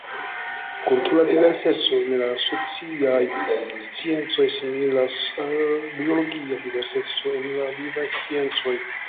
Kultura diverseco en la sociaj sciencoj similas al biologia diverseco en la vivaj sciencoj.